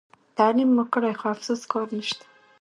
تعلیم مو کړي خو افسوس کار نشته.